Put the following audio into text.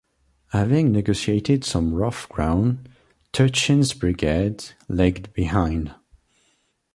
Having negotiated some rough ground, Turchin's brigade lagged behind.